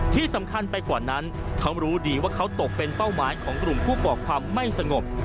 ที่สำคัญไปกว่านั้นเขารู้ดีว่าเขาตกเป็นเป้าหมายของกลุ่มผู้ก่อความไม่สงบ